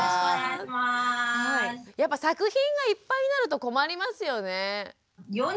やっぱ作品がいっぱいになると困りますよね。